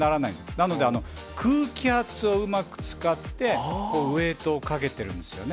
なので、空気圧をうまく使って、ウエートをかけてるんですよね。